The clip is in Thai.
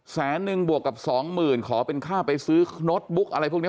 แสนนึงบวกกับสองหมื่นขอเป็นค่าไปซื้อโน้ตบุ๊กอะไรพวกนี้